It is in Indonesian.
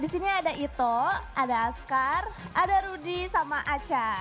disini ada ito ada askar ada rudy sama aca